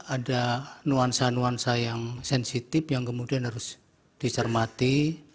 ada nuansa nuansa yang sensitif yang kemudian harus dicermati